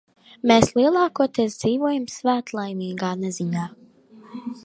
Mēs lielākoties dzīvojām svētlaimīgā neziņā.